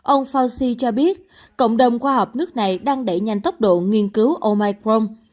ông faushi cho biết cộng đồng khoa học nước này đang đẩy nhanh tốc độ nghiên cứu omicron